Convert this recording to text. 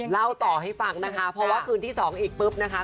เล่าต่อให้ฟังนะคะเพราะว่าคืนที่๒อีกปุ๊บนะคะ